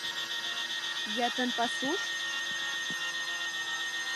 — Йытын пасуш?